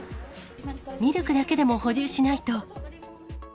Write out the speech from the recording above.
ミルクだけでも補充しないと。